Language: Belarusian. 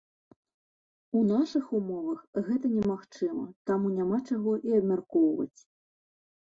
У нашых умовах гэта немагчыма, таму няма чаго і абмяркоўваць.